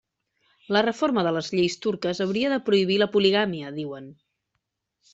La reforma de les lleis turques hauria de prohibir la poligàmia, diuen.